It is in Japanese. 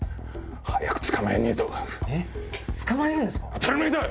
当たり前だ！